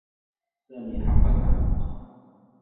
سامي حقّا أحمق.